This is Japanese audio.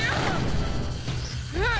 うわ！